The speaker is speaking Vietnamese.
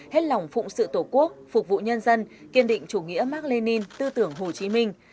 hết lòng phụng sự tổ quốc phục vụ nhân dân kiên định chủ nghĩa mark lenin tư tưởng hồ chí minh